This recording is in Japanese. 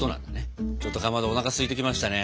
ちょっとかまどおなかすいてきましたね。